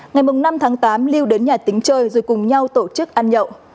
ngày năm tháng tám lưu đến nhà tính chơi rồi cùng nhau tổ chức ăn nhậu